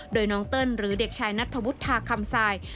โดยน้องเติ้ลหรือเด็กชายนัทธวุฒาคำทราย